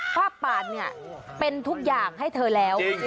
ป้าปาดเนี่ยเป็นทุกอย่างให้เธอแล้ว